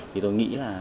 thì tôi nghĩ là